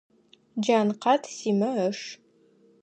Джанкъат Симэ ыш.